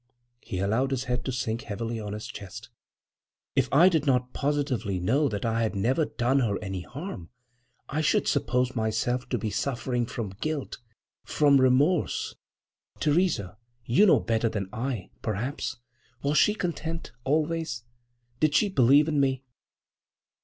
He allowed his head to sink heavily on his chest. "If I did not positively know that I had never done her any harm, I should suppose myself to be suffering from guilt, from remorse.... Theresa, you know better than I, perhaps. Was she content, always? Did she believe in me?"